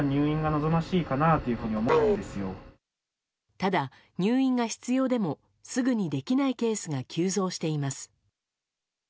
ただ、入院が必要でもすぐにできないケースが急増しています。